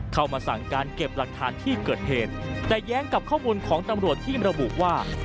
เข้ามาสั่งการเก็บหลักฐานที่เกิดเหตุแต่แย้งกับข้อมูลของตำรวจที่ระบุว่า